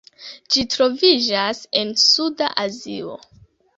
Ĝi troviĝas en suda Azio.